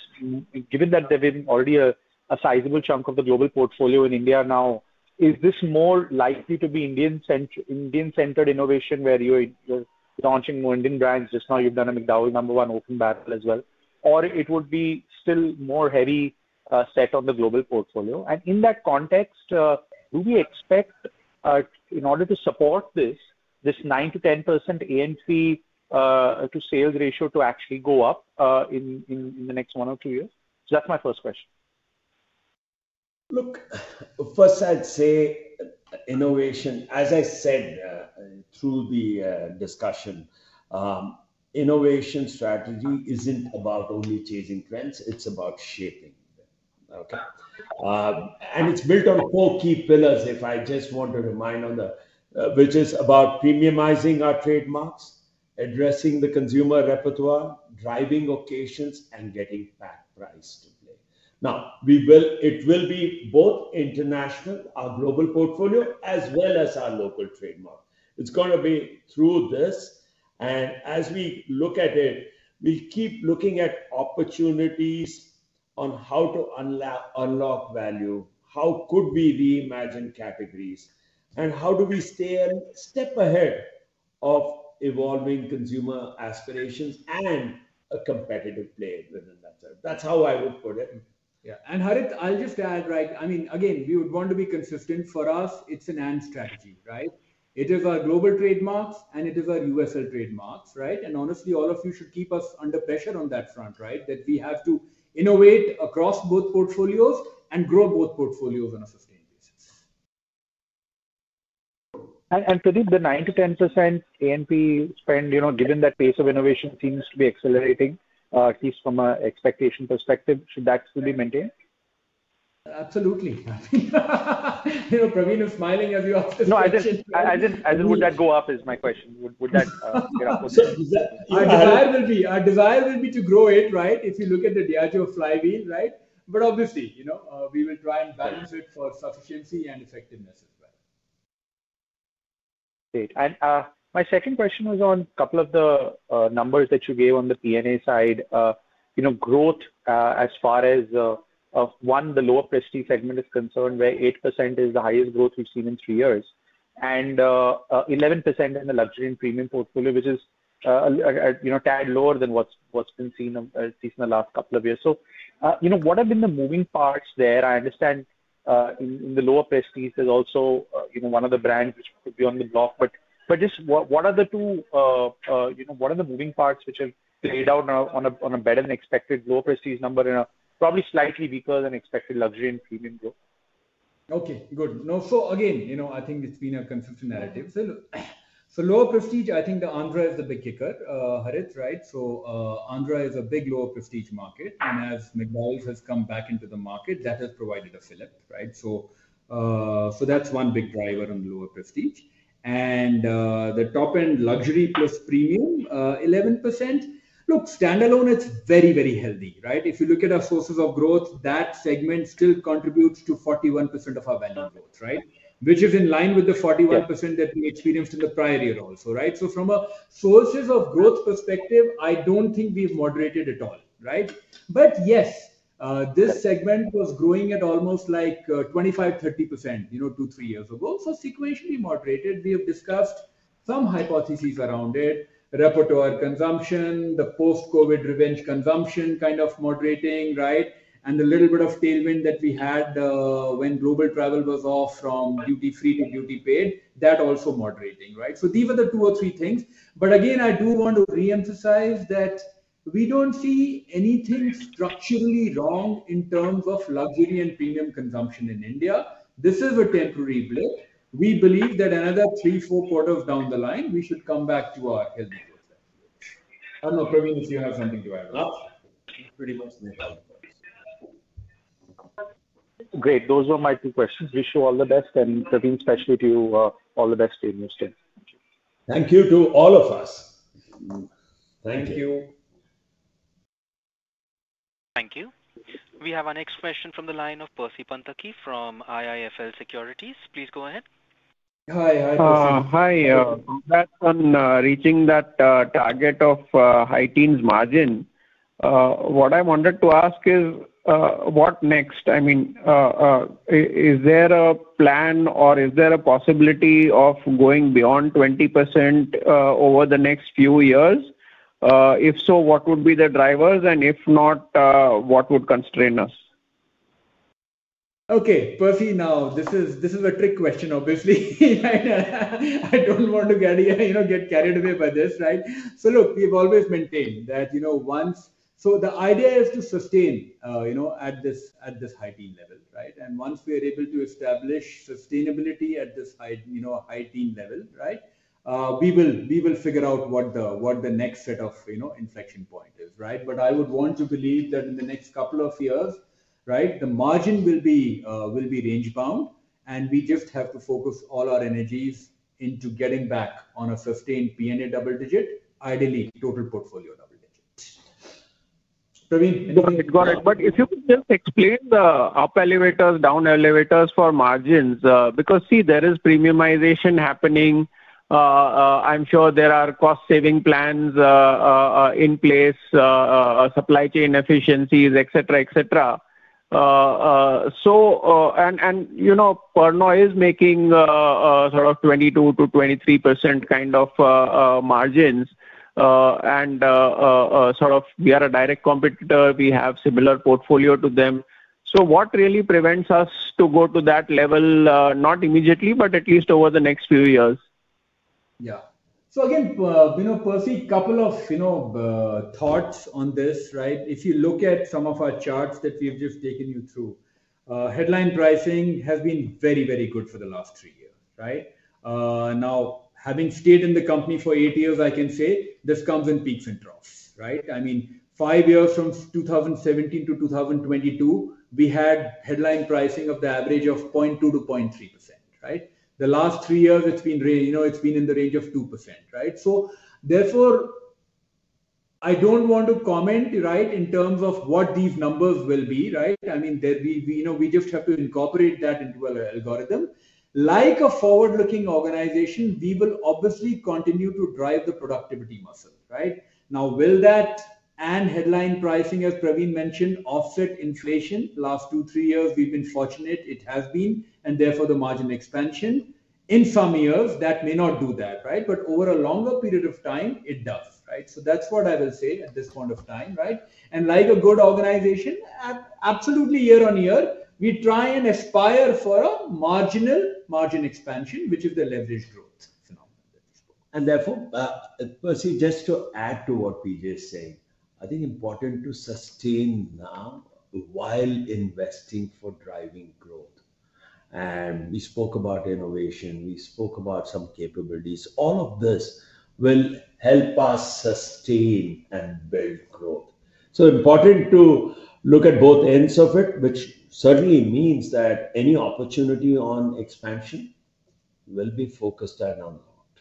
given that there's been already a sizable chunk of the global portfolio in India now, is this more likely to be Indian-centered innovation where you're launching more Indian brands? Just now you've done a McDowell's No.1 Open Battle as well. Or it would be still more heavy, set on the global portfolio. In that context, do we expect, in order to support this, this 9-10% A&P to sales ratio to actually go up in the next one or two years? That's my first question. Look, first I'd say innovation, as I said through the discussion, innovation strategy isn't about only chasing trends. It's about shaping them. Okay. It is built on four key pillars, if I just want to remind on the, which is about premiumizing our trademarks, addressing the consumer repertoire, driving occasions, and getting fact price to play. Now, it will be both international, our global portfolio, as well as our local trademark. It is going to be through this. As we look at it, we keep looking at opportunities on how to unlock value, how could we reimagine categories, and how do we stay a step ahead of evolving consumer aspirations and a competitive play within that. That is how I would put it. Yeah. Harit, I will just add, right? I mean, again, we would want to be consistent. For us, it is an end strategy, right? It is our global trademarks, and it is our USL trademarks, right? Honestly, all of you should keep us under pressure on that front, right? That we have to innovate across both portfolios and grow both portfolios on a sustained basis. Pradeep, the 9-10% A&P spend, you know, given that pace of innovation seems to be accelerating, at least from an expectation perspective, should that still be maintained? Absolutely. You know, Praveen, you're smiling as you ask this question. No, I didn't, would that go up is my question. Would that go up? Our desire will be, our desire will be to grow it, right? If you look at the Diageo flywheel, right? Obviously, you know, we will try and balance it for sufficiency and effectiveness as well. Great. My second question was on a couple of the numbers that you gave on the P&A side, you know, growth, as far as, of one, the lower price segment is concerned, where 8% is the highest growth we've seen in three years, and 11% in the luxury and premium portfolio, which is, you know, a tad lower than what's been seen in the last couple of years. You know, what have been the moving parts there? I understand, in the lower price is also, you know, one of the brands which could be on the block, but just what are the two, you know, what are the moving parts which have played out on a better than expected lower price number and a probably slightly weaker than expected luxury and premium growth? Okay, good. No, so again, you know, I think it's been a consistent narrative. Look, for lower prestige, I think Andhra is the big kicker, Harit, right? Andhra is a big lower prestige market, and as McDowell's has come back into the market, that has provided a fill up, right? That's one big driver on the lower prestige. The top end luxury plus premium, 11%. Look, standalone, it's very, very healthy, right? If you look at our sources of growth, that segment still contributes to 41% of our value growth, right? Which is in line with the 41% that we experienced in the prior year also, right? From a sources of growth perspective, I don't think we've moderated at all, right? Yes, this segment was growing at almost like 25-30%, you know, two, three years ago. Sequentially moderated, we have discussed some hypotheses around it, repertoire consumption, the post-COVID revenge consumption kind of moderating, right? And the little bit of tailwind that we had, when global travel was off from duty-free to duty-paid, that also moderating, right? These are the two or three things. Again, I do want to re-emphasize that we do not see anything structurally wrong in terms of luxury and premium consumption in India. This is a temporary blip. We believe that another three, four quarters down the line, we should come back to our healthy growth. I do not know, Praveen, if you have something to add. Great. Those were my two questions. Wish you all the best, and Praveen, especially to you, all the best in your stay. Thank you. Thank you to all of us. Thank you. Thank you. We have an expression from the line of Percy Panthaki from IIFL Securities. Please go ahead. Hi, that's on reaching that target of high teens margin. What I wanted to ask is, what next? I mean, is there a plan or is there a possibility of going beyond 20% over the next few years? If so, what would be the drivers? And if not, what would constrain us? Okay, Percy, now this is a trick question, obviously. I do not want to get, you know, get carried away by this, right? Look, we have always maintained that, you know, once, so the idea is to sustain, you know, at this high teen level, right? And once we are able to establish sustainability at this high, you know, high teen level, right? We will, we will figure out what the, what the next set of, you know, inflection point is, right? But I would want to believe that in the next couple of years, right, the margin will be, will be range bound, and we just have to focus all our energies into getting back on a sustained P&A double digit, ideally total portfolio double digit. Praveen, it's got it, but if you could just explain the up elevators, down elevators for margins, because see, there is premiumization happening. I'm sure there are cost saving plans in place, supply chain efficiencies, et cetera, et cetera. And, and you know, Pernod is making, sort of 22-23% kind of margins, and, sort of we are a direct competitor. We have similar portfolio to them. What really prevents us to go to that level, not immediately, but at least over the next few years? Yeah. Again, you know, Percy, couple of, you know, thoughts on this, right? If you look at some of our charts that we have just taken you through, headline pricing has been very, very good for the last three years, right? Now, having stayed in the company for eight years, I can say this comes in peaks and troughs, right? I mean, five years from 2017 to 2022, we had headline pricing of the average of 0.2-0.3%, right? The last three years, it has been raised, you know, it has been in the range of 2%, right? Therefore, I do not want to comment, right, in terms of what these numbers will be, right? I mean, we just have to incorporate that into an algorithm. Like a forward-looking organization, we will obviously continue to drive the productivity muscle, right? Now, will that and headline pricing, as Praveen mentioned, offset inflation? Last two, three years, we've been fortunate. It has been, and therefore the margin expansion in some years that may not do that, right? Over a longer period of time, it does, right? That's what I will say at this point of time, right? Like a good organization, absolutely year on year, we try and aspire for a marginal margin expansion, which is the leverage growth phenomenon that we spoke about. Therefore, Percy, just to add to what PJ is saying, I think it's important to sustain now while investing for driving growth. We spoke about innovation. We spoke about some capabilities. All of this will help us sustain and build growth. Important to look at both ends of it, which certainly means that any opportunity on expansion will be focused and unlocked.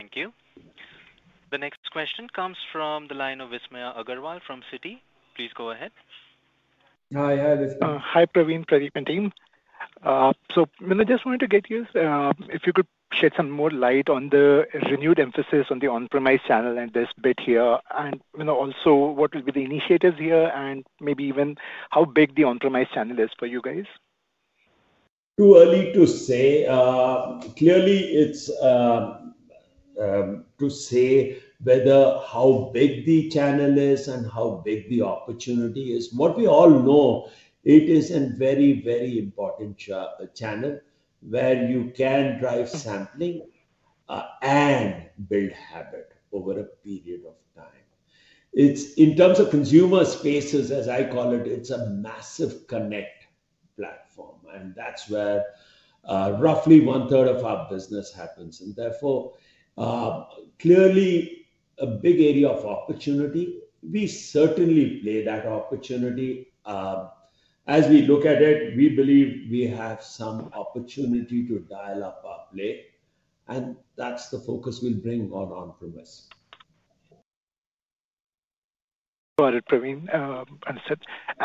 Thank you. The next question comes from the line of Vismaya Agarwal from Citi. Please go ahead. Hi, Praveen, Pradeep and team. I just wanted to get you, if you could shed some more light on the renewed emphasis on the on-premise channel and this bit here, and you know, also what will be the initiatives here and maybe even how big the on-premise channel is for you guys. Too early to say, clearly, to say whether how big the channel is and how big the opportunity is. What we all know, it is a very, very important channel where you can drive sampling, and build habit over a period of time. It's in terms of consumer spaces, as I call it, it's a massive connect platform, and that's where roughly one third of our business happens. Therefore, clearly a big area of opportunity. We certainly play that opportunity. As we look at it, we believe we have some opportunity to dial up our play, and that's the focus we'll bring on on-premise. Got it, Praveen. Understood.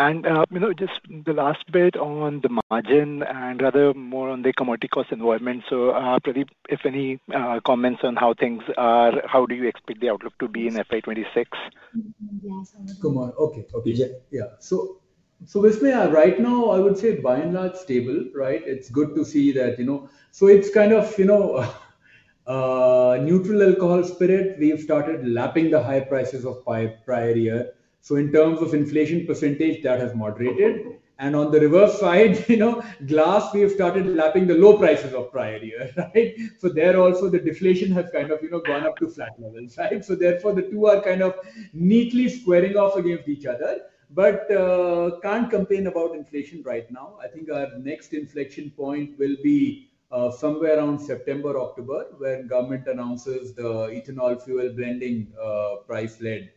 And, you know, just the last bit on the margin and rather more on the commodity cost environment. Pradeep, if any, comments on how things are, how do you expect the outlook to be in FY2026? Come on. Okay, okay. Yeah. Yeah. So, Vismaya, right now I would say by and large stable, right? It's good to see that, you know, so it's kind of, you know, neutral alcohol spirit. We've started lapping the high prices of prior year. In terms of inflation percentage, that has moderated. On the reverse side, you know, glass, we've started lapping the low prices of prior year, right? There also the deflation has kind of, you know, gone up to flat levels, right? Therefore the two are kind of neatly squaring off against each other, but can't complain about inflation right now. I think our next inflection point will be somewhere around September, October, when government announces the ethanol fuel blending, price-led,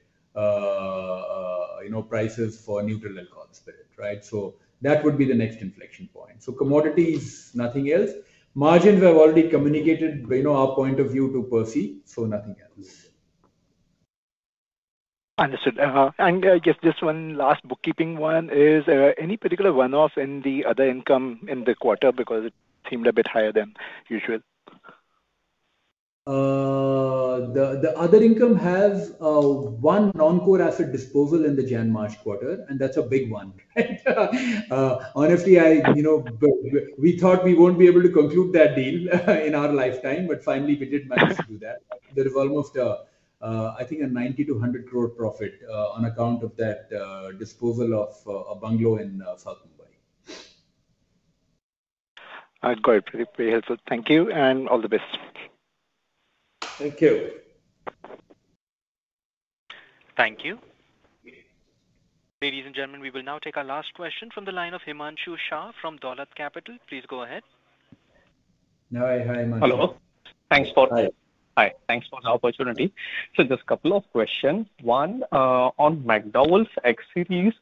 you know, prices for neutral alcohol spirit, right? That would be the next inflection point. Commodities, nothing else. Margins have already communicated, you know, our point of view to Percy, so nothing else. Understood. I guess this one last bookkeeping one is, any particular one-off in the other income in the quarter because it seemed a bit higher than usual? The other income has, one non-core asset disposal in the January-March quarter, and that's a big one, right? Honestly, I, you know, we thought we would not be able to conclude that deal in our lifetime, but finally we did manage to do that. There is almost a, I think a 90-100 crore profit, on account of that, disposal of a bungalow in South Mumbai. I got it. Pretty helpful. Thank you and all the best. Thank you. Thank you. Ladies and gentlemen, we will now take our last question from the line of Himanshu Shah from Dolat Capital. Please go ahead. Hi, hi, Himanshu. Hello. Thanks for, hi, thanks for the opportunity. So just a couple of questions. One, on McDowell's X series,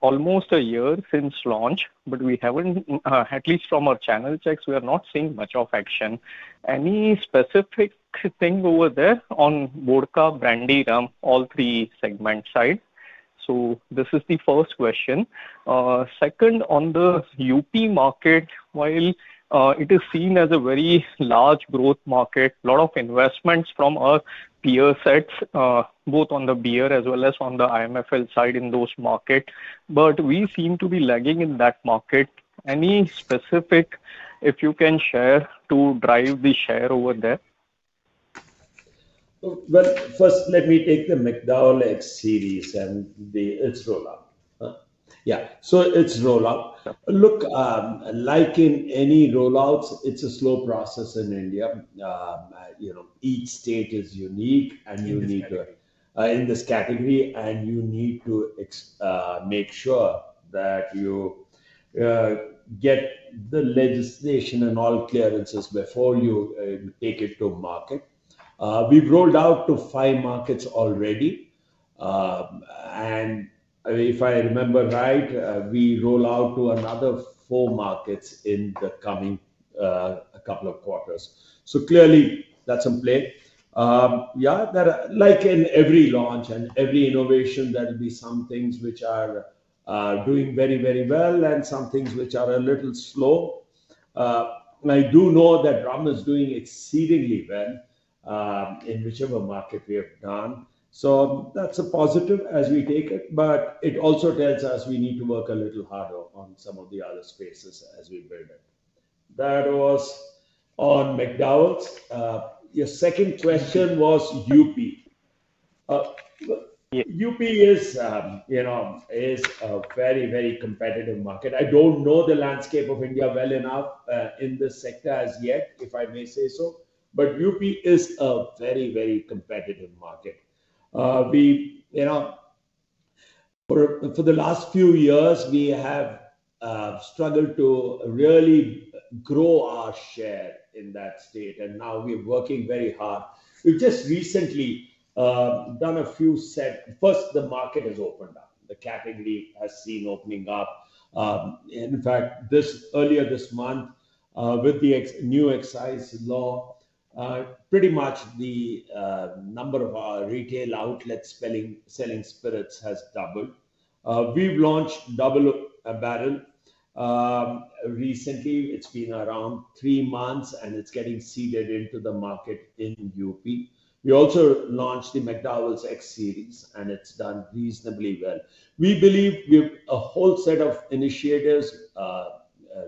almost a year since launch, but we have not, at least from our channel checks, we are not seeing much of action. Any specific thing over there on vodka, brandy, rum, all three segment sides? This is the first question. Second, on the UP market, while it is seen as a very large growth market, a lot of investments from our peer sets, both on the beer as well as on the IMFL side in those markets, but we seem to be lagging in that market. Any specific, if you can share to drive the share over there? First, let me take the McDowell's X series and its roll-up. Yeah. It's roll-up. Look, like in any rollouts, it's a slow process in India. You know, each state is unique in this category, and you need to make sure that you get the legislation and all clearances before you take it to market. We've rolled out to five markets already. If I remember right, we roll out to another four markets in the coming couple of quarters. Clearly, that's in play. Yeah, there are, like in every launch and every innovation, some things which are doing very, very well and some things which are a little slow. I do know that rum is doing exceedingly well in whichever market we have done. That's a positive as we take it, but it also tells us we need to work a little harder on some of the other spaces as we build it. That was on McDowell's. Your second question was UP. UP is, you know, a very, very competitive market. I do not know the landscape of India well enough in this sector as yet, if I may say so, but UP is a very, very competitive market. We, you know, for the last few years, we have struggled to really grow our share in that state, and now we're working very hard. We've just recently done a few sets. First, the market has opened up. The category has seen opening up. In fact, earlier this month, with the new excise law, pretty much the number of our retail outlets selling spirits has doubled. We've launched Double Oak Barrel recently, it's been around three months, and it's getting seeded into the market in Uttar Pradesh. We also launched the McDowell's X series, and it's done reasonably well. We believe we have a whole set of initiatives,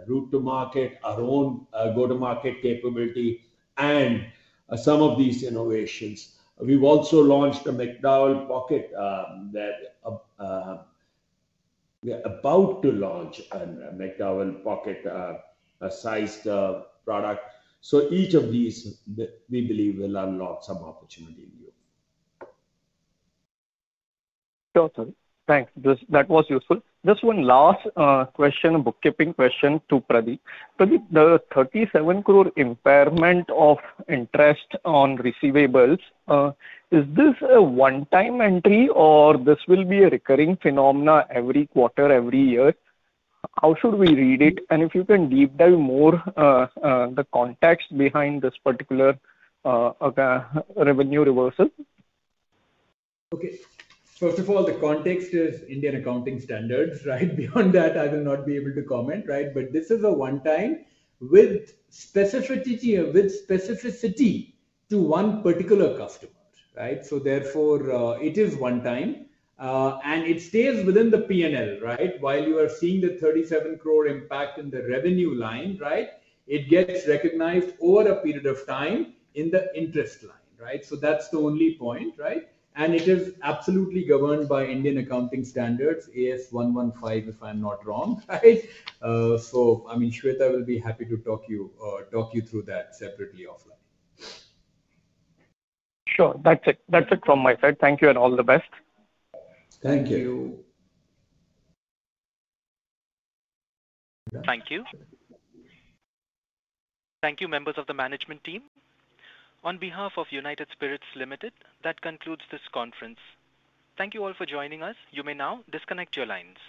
route to market, our own go-to-market capability, and some of these innovations. We've also launched a McDowell's pocket, that, we're about to launch a McDowell's pocket-sized product. So each of these we believe will unlock some opportunity in you. Sure, sir. Thanks. That was useful. Just one last question, a bookkeeping question to Pradeep. Pradeep, the 37 crore impairment of interest on receivables, is this a one-time entry or this will be a recurring phenomena every quarter, every year? How should we read it? If you can deep dive more, the context behind this particular revenue reversal. Okay. First of all, the context is Indian accounting standards, right? Beyond that, I will not be able to comment, right? This is a one-time with specificity to one particular customer, right? Therefore, it is one-time, and it stays within the P&L, right? While you are seeing the 37 crore impact in the revenue line, right? It gets recognized over a period of time in the interest line, right? That is the only point, right? It is absolutely governed by Indian accounting standards, AS 115, if I'm not wrong, right? I mean, Shweta will be happy to talk you through that separately offline. Sure. That's it from my side. Thank you and all the best. Thank you. Thank you. Thank you, members of the management team. On behalf of United Spirits Ltd, that concludes this conference. Thank you all for joining us. You may now disconnect your lines.